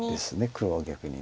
黒は逆に。